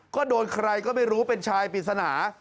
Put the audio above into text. ก็โดนใครก็ไม่รู้เป็นชายปริศนา